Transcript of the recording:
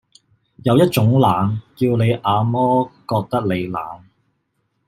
有一種冷，叫你阿嘛覺得你冷